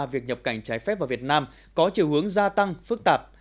việc nhập cảnh trái phép vào việt nam có chiều hướng gia tăng phức tạp